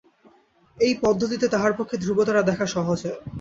এই পদ্ধতিতে তাহার পক্ষে ধ্রুবতারা দেখা সহজ হয়।